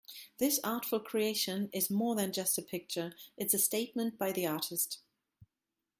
This artful creation is more than just a picture, it's a statement by the artist.